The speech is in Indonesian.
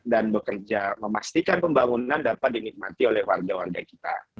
dan bekerja memastikan pembangunan dapat dinikmati oleh warga warga kita